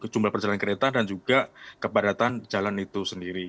jumlah perjalanan kereta dan juga kepadatan jalan itu sendiri